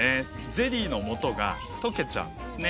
ゼリーの素がとけちゃうんですね。